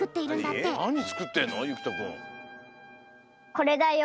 これだよ！